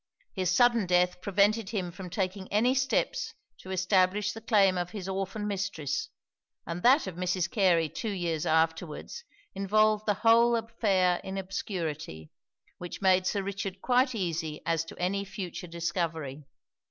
His sudden death prevented him from taking any steps to establish the claim of his orphan mistress; and that of Mrs. Carey two years afterwards, involved the whole affair in obscurity, which made Sir Richard quite easy as to any future discovery.